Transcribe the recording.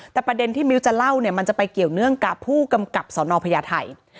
แต่ประเด็นที่มิ้วจะเล่าเนี่ยมันจะไปเกี่ยวเนื่องกับผู้กำกับสนพญาไทย